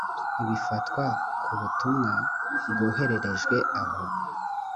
bifatwa ko ubutumwa bwohererejwe aho